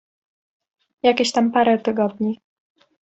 Jakieś tam parę tygodni.